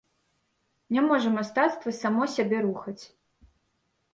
Не можа мастацтва само сябе рухаць.